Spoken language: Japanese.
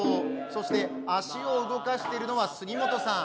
そして足を動かしているのはスギモトさん。